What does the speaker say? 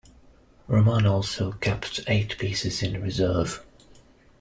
Roman also kept eight pieces in reserve.